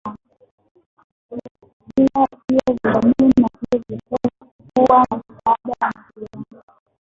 Pia vyuo vya jamii na vyuo vikuu huwa na shahada ya mawasiliano.